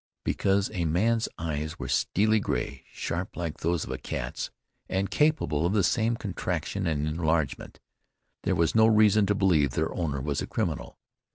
Because a man's eyes were steely gray, sharp like those of a cat's, and capable of the same contraction and enlargement, there was no reason to believe their owner was a criminal.